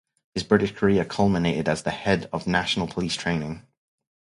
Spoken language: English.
His British career culminated as the Head of National Police Training.